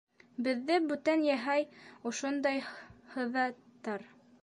Беҙҙе бүтән яһай Ошондай һыҙаттар.